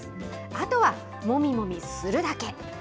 あとはもみもみするだけ。